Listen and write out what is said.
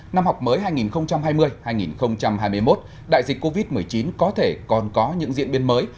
năm học mới hai nghìn hai mươi hai nghìn hai mươi một đại dịch covid một mươi chín có thể còn có những diễn biến mới